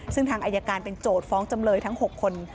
ซึ่งทางอายการเป็นโจทย์ฟ้องจำเลยทั้ง๖คน